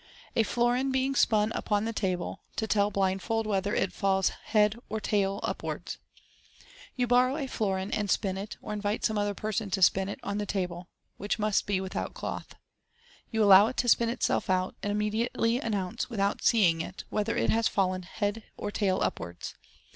A Florin being spun upon the Table, to tell blindfold WHETHER IT FALLS HEAD OR TAIL UPWARDS. YoU borrow a florin, and spin it, or invite some other person to spin it, on the table (which must be without a cloth). You allow it to spin itself out, and immediately announce, without seeing it, whether it has fallen head or tail upwards.